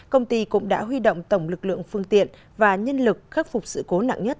công ty cũng đã huy động tổng lực lượng phương tiện và nhân lực khắc phục sự cố nặng nhất